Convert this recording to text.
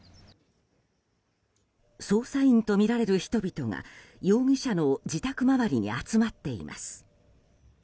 捜査員とみられる人々が容疑者の自宅周りに集まっています。